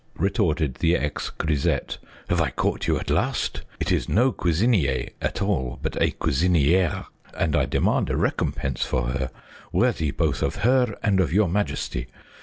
" retorted the ex grisette, " have I caught you at last ? It is no cuisinier at all, but a cuisiniere, and I demand a recompense for her worthy both of her and of your majesty.